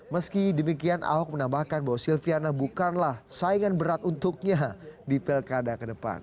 meski demikian ahok menambahkan bahwa silviana bukanlah saingan berat untuknya di pilkada ke depan